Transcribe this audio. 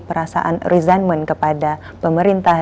perasaan resentment kepada pemerintah